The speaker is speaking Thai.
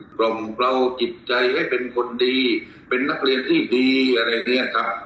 กล่อมเราจิตใจให้เป็นคนดีเป็นนักเรียนที่ดีอะไรอย่างนี้ครับ